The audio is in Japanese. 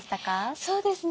そうですね